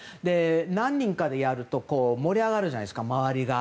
何人かでやると盛り上がるじゃないですか、周りが。